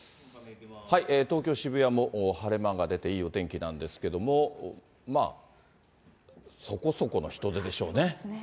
東京・渋谷も晴れ間が出ていいお天気なんですけれども、そこそこの人出でしょうね。